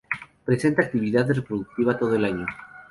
Presenta actividad reproductiva todo el año.